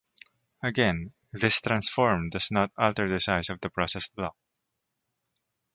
Again, this transform does not alter the size of the processed block.